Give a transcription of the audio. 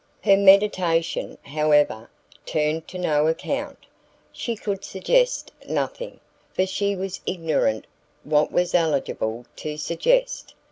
Her meditation, however, turned to no account; she could suggest nothing, for she was ignorant what was eligible to suggest.